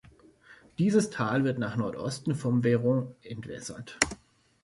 Dieses Tal wird nach Nordosten vom Veyron entwässert.